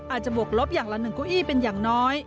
อาจจะบวกลบหนึ่งประกอบเป็นอย่างน้อย